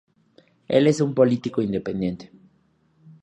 El es un político independiente.